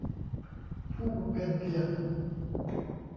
ผู้บำเพ็ญเพียร